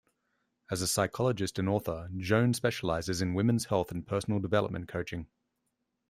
As a psychologist and author, Joan specializes in women's health and personal development coaching.